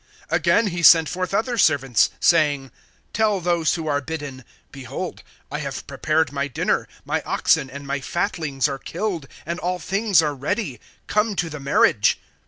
(4)Again he sent forth other servants, saying: Tell those who are bidden, Behold, I have prepared my dinner; my oxen and my fatlings are killed, and all things are ready; come to the marriage.